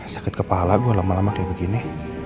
sakit kepala gue lama lama kayak begini